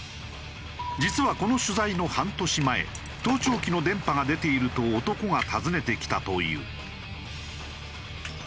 実はこの取材の半年前「盗聴器の電波が出ている」と男が訪ねてきたという。